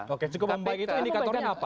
oke cukup membaik itu indikatornya apa